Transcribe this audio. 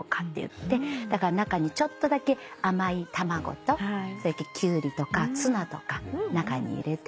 中にちょっとだけ甘い卵とキュウリとかツナとか中に入れて。